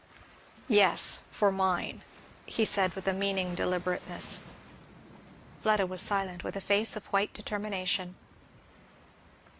"Yes for mine," he said, with a meaning deliberateness. Fleda was silent, with a face of white determination.